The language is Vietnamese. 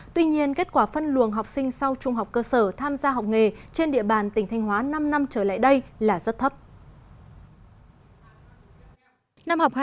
tuy nhiên kết quả phân luồng học sinh sau trung học cơ sở tham gia học nghề trên địa bàn tỉnh thanh hóa năm năm trở lại đây là rất thấp